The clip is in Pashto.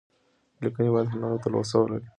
ليکنې بايد هنر او تلوسه ولري.